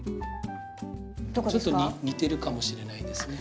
ちょっと似てるかもしれないですね。